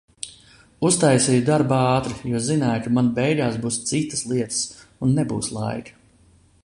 Uztaisīju darbu ātri, jo zināju, ka man beigās būs citas lietas un nebūs laika.